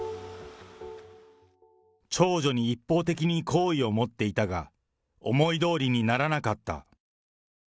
長女に一方的に好意を持っていたが、思いどおりにならなかった。